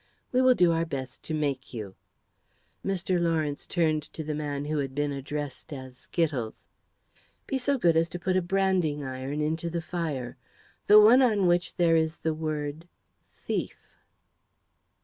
We will do our best to make you." Mr. Lawrence turned to the man who had been addressed as Skittles. "Be so good as to put a branding iron into the fire, the one on which there is the word 'thief.'"